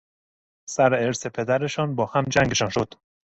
سر ارث پدرشان با هم جنگشان شد.